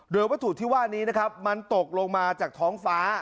โดยวัตถุที่ว่านี้นะครับมันตกลงมาจากท้องฟ้า